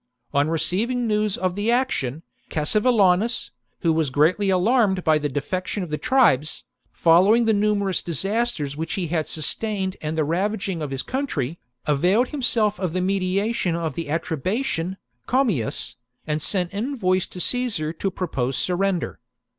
On receiving news of the action, Cassi vellaunus, who was greatly alarmed by the defection of the tribes, following the numerous disasters which he had sustained and the ravaging of his country, availed himself of the mediation of the Atrebatian, Commius, and sent envoys to Caesar to propose surrender.